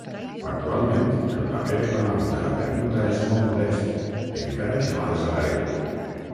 Actualment el paper econòmic de la permuta és molt modest, encara que no ha desaparegut.